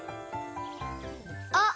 あっ！